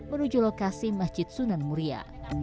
menuju lokasi masjid sunan muria